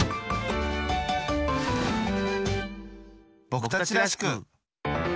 ぼくたちらしく。